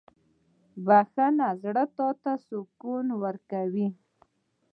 • بخښنه زړه ته سکون ورکوي.